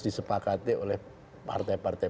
disepakati oleh partai partai